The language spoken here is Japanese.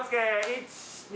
１２。